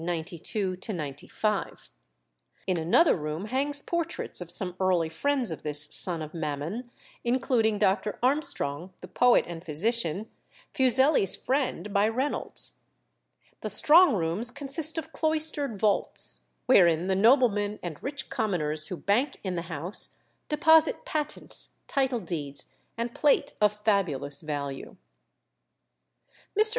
In another room hang portraits of some early friends of this son of Mammon, including Dr. Armstrong, the poet and physician, Fuseli's friend, by Reynolds. The strong rooms consist of cloistered vaults, wherein the noblemen and rich commoners who bank in the house deposit patents, title deeds, and plate of fabulous value. Mr.